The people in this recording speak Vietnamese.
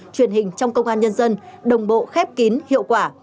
truyền hình trong công an nhân dân đồng bộ khép kín hiệu quả